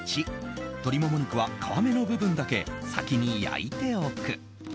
１鶏モモ肉は皮目の部分だけ先に焼いておく。